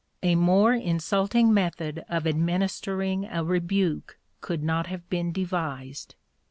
A more insulting method of administering a rebuke could not have been devised.